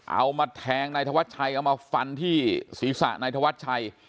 เอามาแทงนายธวัชชัยเอามาฟันที่ศีรษะนายธวัชชัย